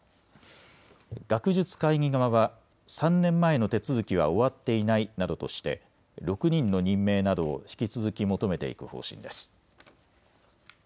学術会議側は３年前の手続きは終わっていないなどとして６人の任命などを引き続き求めていく方針です。